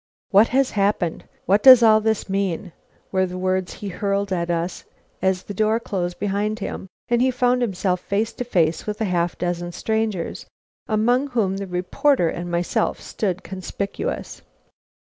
"What has happened? What does all this mean?" were the words he hurled at us as the door closed behind him and he found himself face to face with a half dozen strangers, among whom the reporter and myself stood conspicuous.